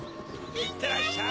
いってらっしゃい！